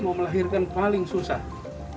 mau melahirkan paling susah